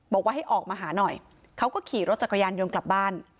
บอกว่าให้ออกมาหาหน่อยเขาก็ขี่รถจักรยานยนต์กลับบ้าน